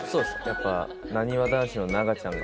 やっぱなにわ男子のあっ。